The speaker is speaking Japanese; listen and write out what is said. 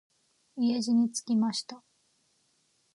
家路につきました。